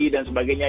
e dan sebagainya